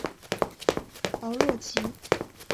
豪洛吉。